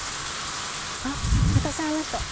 あっ私あの人。